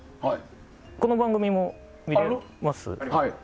この番組も見れます。